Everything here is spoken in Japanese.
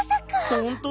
「ほんとよ。